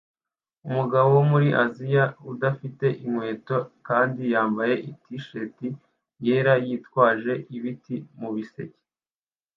Umugabo wo muri Aziya udafite inkweto kandi yambaye t-shati yera yitwaje ibiti mubiseke